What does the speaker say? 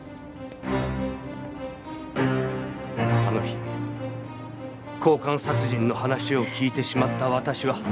あの日交換殺人の話を聞いてしまった私は。